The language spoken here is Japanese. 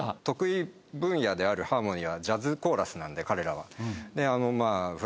得意分野であるハーモニーはジャズコーラスなんで彼らは。